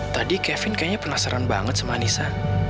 tadi kevin kayaknya penasaran banget sama anissa